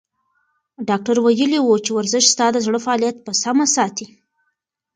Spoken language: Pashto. ډاکتر ویلي وو چې ورزش ستا د زړه فعالیت په سمه ساتي.